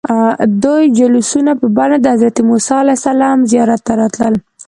دوی جلوسونه په بڼه د حضرت موسى علیه السلام زیارت ته راتلل.